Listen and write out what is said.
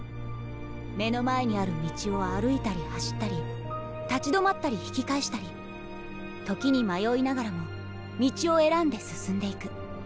目の前にある道を歩いたり走ったり立ち止まったり引き返したり時に迷いながらも道を選んで進んでいく。